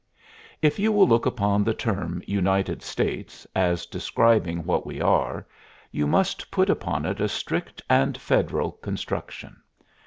If you will look upon the term "United States" as describing what we are, you must put upon it a strict and Federal construction.